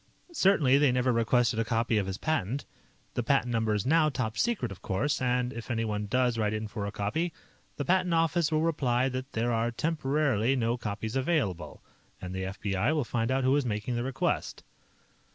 Certainly they never requested a copy of his patent. The patent number is now top secret, of course, and if anyone does write in for a copy, the Patent Office will reply that there are temporarily no copies available. And the FBI will find out who is making the request."